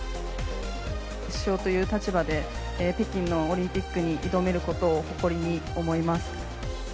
主将という立場で、北京のオリンピックに挑めることを、誇りに思います。